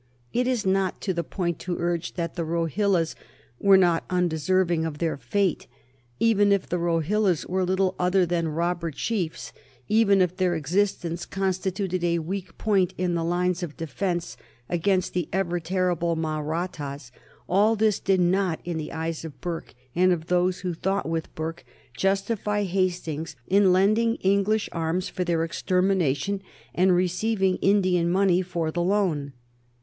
It is not to the point to urge that the Rohillas were not undeserving of their fate. Even if the Rohillas were little other than robber chiefs, even if their existence constituted a weak point in the lines of defence against the ever terrible Mahrattas, all this did not in the eyes of Burke and of those who thought with Burke justify Hastings in lending English arms for their extermination and receiving Indian money for the loan.